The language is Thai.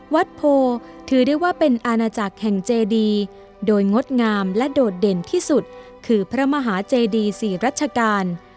วัดโพถือได้ว่าเป็นอาณาจักรแห่งเจดีโดยงดงามและโดดเด่นที่สุดคือพระมหาเจดีสี่รัชกาล